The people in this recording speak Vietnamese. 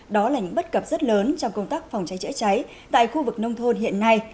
đó là những bất cập rất lớn trong công tác phòng cháy chữa cháy tại khu vực nông thôn hiện nay